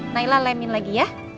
nailah lemin lagi ya